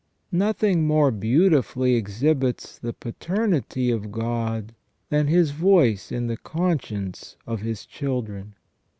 Nothing more beautifully exhibits the paternity of God than His voice in the conscience of His children.